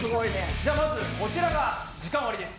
じゃあまずこちらが時間割です。